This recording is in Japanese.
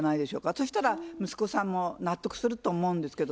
そしたら息子さんも納得すると思うんですけど。